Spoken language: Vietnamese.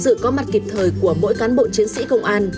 sự có mặt kịp thời của mỗi cán bộ chiến sĩ công an